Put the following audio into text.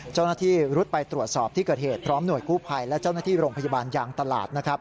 รุดไปตรวจสอบที่เกิดเหตุพร้อมหน่วยกู้ภัยและเจ้าหน้าที่โรงพยาบาลยางตลาดนะครับ